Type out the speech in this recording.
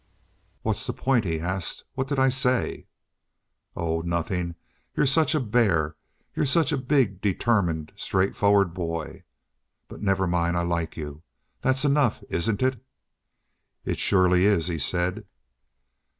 "What's the point?" he asked. "What did I say?" "Oh, nothing. You're such a bear. You're such a big, determined, straightforward boy. But never mind. I like you. That's enough, isn't it?" "It surely is," he said.